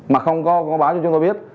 mà không có báo cho chúng tôi biết